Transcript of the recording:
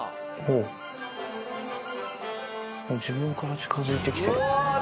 自分から近づいてきてる。